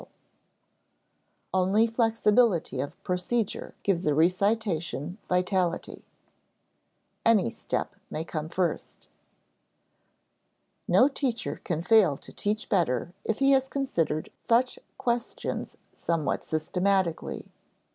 [Sidenote: Only flexibility of procedure gives a recitation vitality] [Sidenote: Any step may come first] No teacher can fail to teach better if he has considered such questions somewhat systematically.